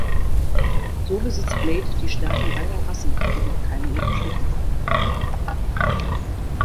So besitzt Blade die Stärken beider Rassen, jedoch keine ihrer Schwächen.